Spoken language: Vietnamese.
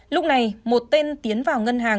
lúc này một tên tiến vào ngân hàng